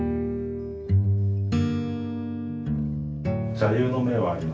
座右の銘はありますか？